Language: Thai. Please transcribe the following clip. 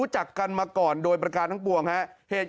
เจ้าก็หันจะกี่รูปไทยผู้หญิง